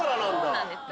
そうなんです。